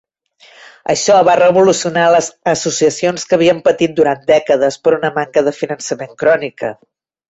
Això va revolucionar les associacions que havien patit durant dècades per una manca de finançament crònica.